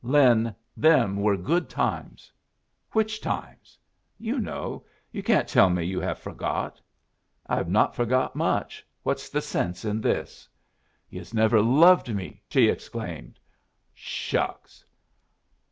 Lin, them were good times." "Which times?" "You know. You can't tell me you have forgot." "I have not forgot much. What's the sense in this?" "Yus never loved me!" she exclaimed. "Shucks!"